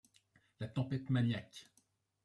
La tempête maniaque